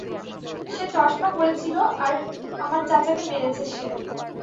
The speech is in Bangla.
সে চশমা পরে ছিল, আর আমার চাচাকে মেরেছে সে।